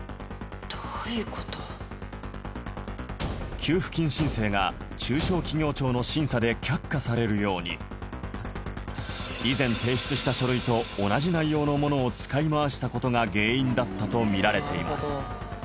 給付金申請が中小企業庁の審査で却下されるように以前提出した書類と同じ内容のものを使い回したことが原因だったとみられています